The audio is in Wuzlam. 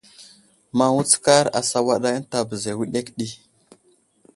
Maŋ wutskar asawaday ənta bəza wəɗek ɗi.